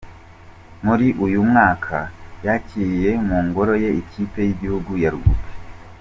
Muri uyu mwaka yakiriye mu ngoro ye ikipe y’igihugu ya Rugby.